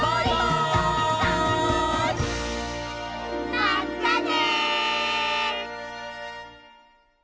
まったね！